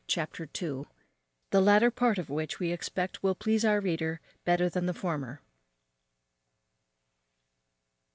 Chapter ii. _The latter part of which we expect will please our reader better than the former.